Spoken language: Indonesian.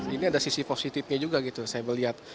ini ada sisi positifnya juga gitu saya melihat